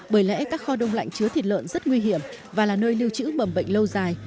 bởi lẽ các kho đông lạnh chứa thịt lợn rất nguy hiểm và là nơi lưu trữ bầm bệnh lâu dài